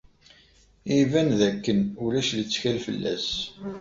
Iban dakken ulac lettkal fell-as!